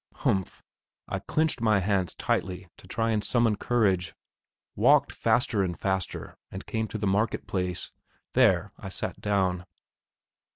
Humph! I clenched my hands tightly to try and summon courage, walked faster and faster, and came to the market place. There I sat down.